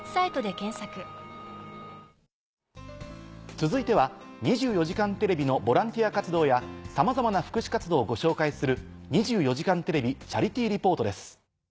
続いては『２４時間テレビ』のボランティア活動やさまざまな福祉活動をご紹介する。